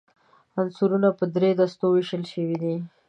عنصرونه په درې دستو ویشل شوي دي.